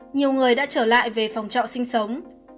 nhiều người đã trở lại về phòng trọ sinh sống